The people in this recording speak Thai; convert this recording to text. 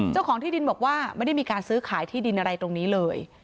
เจ้าของที่ดินบอกว่าไม่ได้มีการซื้อขายที่ดินอะไรตรงนี้เลย